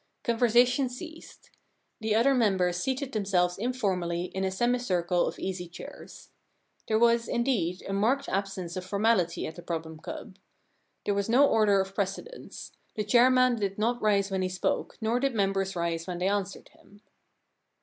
Conversation ceased. The other members seated them selves informally in a semicircle of easy chairs. There was, indeed, a marked absence of formality at the Problem Club. There was no order of precedence. The chairman 8 The Giraffe Problem did not rise when he spoke, nor did members rise when they answered him.